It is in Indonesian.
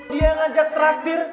dia yang ngajak traktir